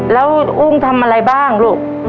แล้วอุ้มทำอะไรบ้างลูก